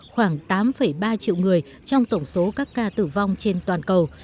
khoảng tám ba triệu người trong tổng số các ca tử vong trên toàn cầu